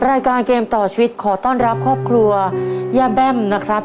รายการเกมต่อชีวิตขอต้อนรับครอบครัวย่าแบ้มนะครับ